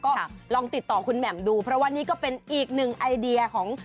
ก็ลองติดต่อคุณแหม่มดูเพราะว่านี่ก็เป็นอีกหนึ่งไอเดียของ